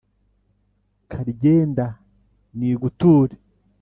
Karyenda niguture